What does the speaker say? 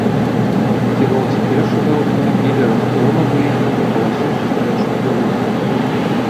Кіроўца першага аўтамабіля раптоўна выехаў на паласу сустрэчнага руху.